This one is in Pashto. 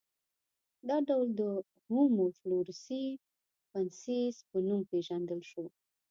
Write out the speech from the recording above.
دا ډول د هومو فلورسي ینسیس په نوم پېژندل شو.